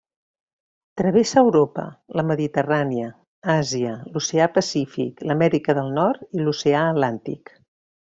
Travessa Europa, la Mediterrània, Àsia, l'oceà Pacífic, l'Amèrica del Nord i l'oceà Atlàntic.